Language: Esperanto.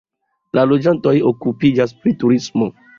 La loĝantoj okupiĝas pri turismo.